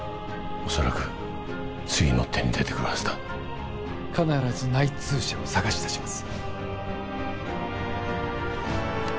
おそらく次の手に出てくるはずだ必ず内通者を捜し出します